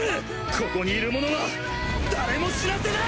ここにいるものは誰も死なせない。